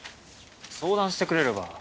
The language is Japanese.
相談してくれれば。